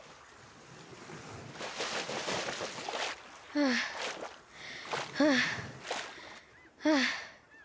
はあはあはあ。